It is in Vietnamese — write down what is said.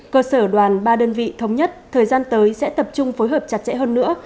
cơ sở đoàn ba đơn vị thống nhất thời gian tới sẽ tập trung phối hợp chặt chẽ hơn nữa